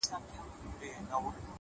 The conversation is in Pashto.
تر مرگه پوري هره شـــپــــــه را روان،